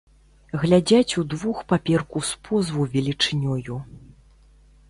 Глядзяць удвух паперку з позву велічынёю.